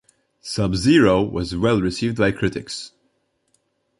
"SubZero" was well received by critics.